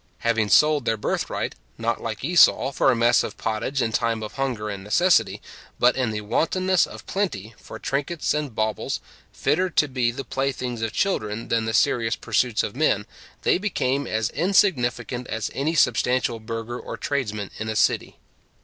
Having sold their birth right, not like Esau, for a mess of pottage in time of hunger and necessity, but, in the wantonness of plenty, for trinkets and baubles, fitter to be the playthings of children than the serious pursuits of men, they became as insignificant as any substantial burgher or tradesmen in a city.